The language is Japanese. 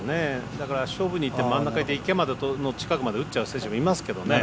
だから勝負にいって真ん中で池の近くまで打っちゃう選手もいますけどね。